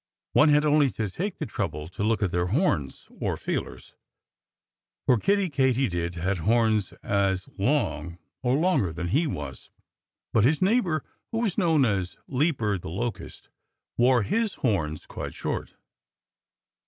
One had only to take the trouble to look at their horns or feelers. For Kiddie Katydid had horns as long or longer than he was. But his neighbor, who was known as Leaper the Locust, wore his horns quite short.